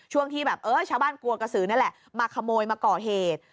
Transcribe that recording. ช่วงที่แบบเออชาวบ้านกลัวกระสือนั่นแหละมาขโมยมาก่อเหตุ